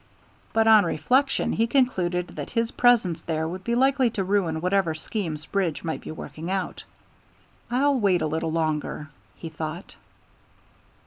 But on reflection he concluded that his presence there would be likely to ruin whatever schemes Bridge might be working out. "I'll wait a little longer," he thought.